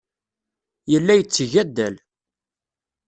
Yella yetteg addal.